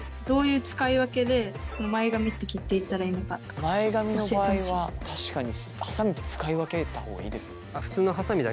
ここで前髪の場合は確かにはさみって使い分けた方がいいですか？